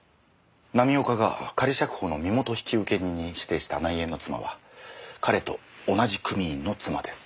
浪岡が仮釈放の身元引受人に指定した内縁の妻は彼と同じ組員の妻です